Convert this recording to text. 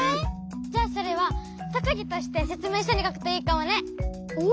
じゃあそれはとくぎとしてせつめいしょにかくといいかもね。